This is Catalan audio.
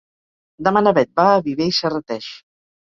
Demà na Bet va a Viver i Serrateix.